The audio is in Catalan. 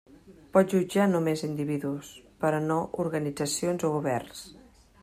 Pot jutjar només individus, però no organitzacions o governs.